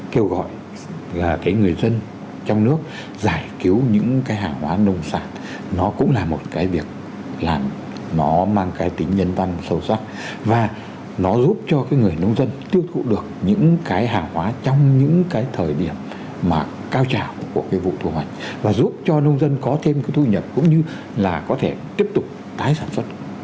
kêu gọi là cái người dân trong nước giải cứu những cái hạng hóa nông sản nó cũng là một cái việc làm nó mang cái tính nhân văn sâu xa và nó giúp cho cái người nông dân tiêu thụ được những cái hạng hóa trong những cái thời điểm mà cao trào của cái vụ thu hoạch và giúp cho nông dân có thêm cái thu nhập cũng như là có thể tiếp tục tái sản xuất